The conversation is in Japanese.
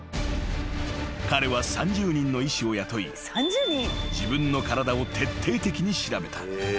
［彼は３０人の医師を雇い自分の体を徹底的に調べた］